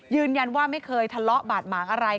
ยืนยันว่าไม่เคยทะเลาะบาดหมากอะไร